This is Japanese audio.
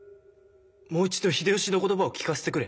もう一度秀吉の言葉を聞かせてくれ。